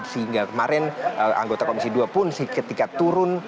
sehingga kemarin anggota komisi dua pun ketika turun